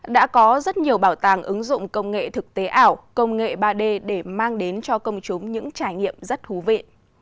đã có rất nhiều bảo tàng ứng dụng công nghệ thực tế ảo công nghệ ba d để mang đến cho công chúng những trải nghiệm rất thú vị